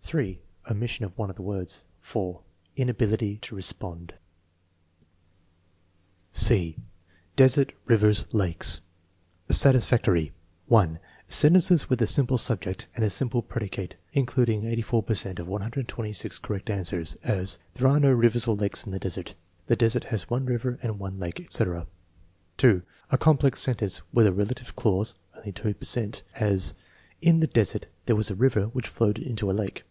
(3) Omission of one of the words. (4) Inability to respond. TEST NO. IX, 5 245 (c) Desert, rivers, lakes Satisfactory: (1) Sentences with a simple subject and a simple predicate (including 84 per cent of 12G correct answers); as: "There are no rivers or lakes in the desert." "The desert has one river and one lake," etc. (2) A complex sentence with a relative clause (only % per cent); as: "In the desert there was a river which flowed into a lake."